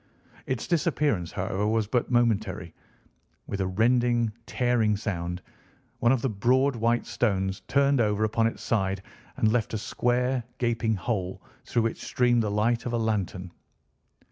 Its disappearance, however, was but momentary. With a rending, tearing sound, one of the broad, white stones turned over upon its side and left a square, gaping hole, through which streamed the light of a lantern.